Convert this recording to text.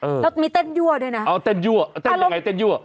แล้วมีเต้นยั่วด้วยนะเอาเต้นยั่วเอาเต้นยังไงเต้นยั่ว